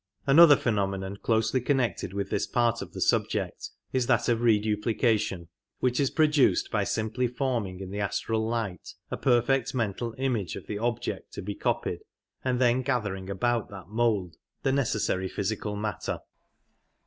Another phenomenon closely connected with this part of the subject is that of reduplication, which is pro ^^^icm^^^ duced by simply forming in the astral light a perfect mental image of the object to be copied, and then gathering about that mould the necessary physical matter.